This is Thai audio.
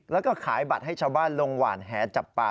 แล้วก็ขายบัตรให้ชาวบ้านลงหวานแหจับปลา